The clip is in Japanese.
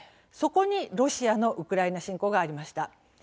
そこにロシアのウクライナ侵攻がありました。